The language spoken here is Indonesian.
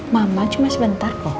mama cuma sebentar kok